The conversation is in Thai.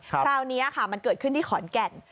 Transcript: คราวนี้ค่ะมันเกิดขึ้นที่ขอนแก่น